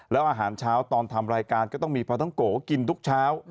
แล้วอาหารเช้าตอนทำรายการก็ต้องมีปลาท้องโกกินทุกเช้า